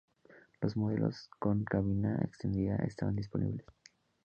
Los modelos con cabina extendida estaban disponibles.